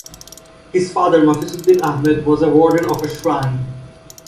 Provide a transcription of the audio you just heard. His father, Mafizuddin Ahmed, was a warden of a shrine.